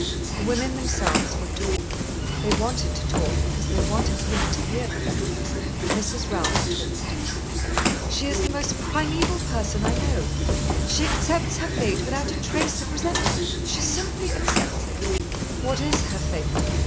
The women themselves would talk. They wanted to talk because they wanted him to hear them. Mrs. Ralph talked. "She is the most primeval person I know. She accepts her fate without a trace of resentment; she simply accepts it." "What is her fate?"